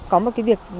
có một cái việc